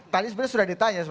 tadi sebenarnya sudah ditanya